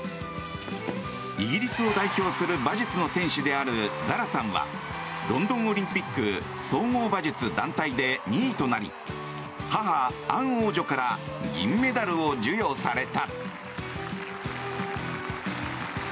イギリスを代表する馬術の選手であるザラさんはロンドンオリンピック総合馬術団体で２位となり母アン王女から銀メダルを授与された。